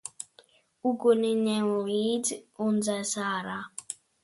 Uguni ņem līdz un dzēs ārā!